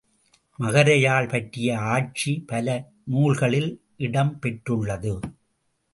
மகர யாழ் பற்றிய ஆட்சி பல நூல்களின் இடம் பெற்றுள்ளது.